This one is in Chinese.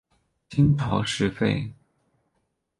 金朝时废。